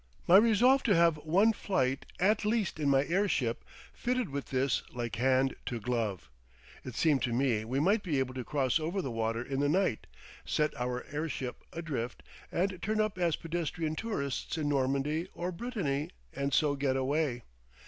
My resolve to have one flight at least in my airship fitted with this like hand to glove. It seemed to me we might be able to cross over the water in the night, set our airship adrift, and turn up as pedestrian tourists in Normandy or Brittany, and so get away.